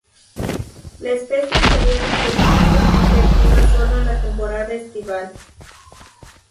La especie estaría reproductivamente activa solo en la temporada estival.